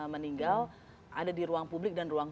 meninggal ada di ruang publik dan ruang